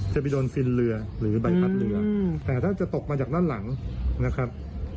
จะไปโดนซินเรือหรือใบพัดเรือแต่ถ้าจะตกมาจากด้านหลังนะครับ